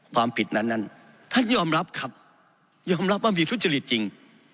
ความผิดนั้นนั้นท่านยอมรับครับยอมรับว่ามีทุจริตจริง